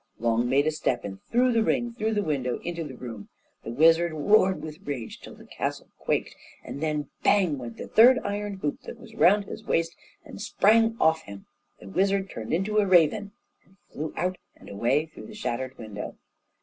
Long made a step, and threw the ring through the window into the room. The wizard roared with rage till the castle quaked, and then, bang! went the third iron hoop that was round his waist, and sprang off him; the wizard turned into a raven, and flew out and away through the shattered window.